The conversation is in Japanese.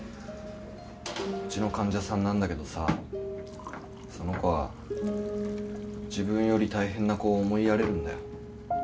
うちの患者さんなんだけどさその子は自分より大変な子を思いやれるんだよ。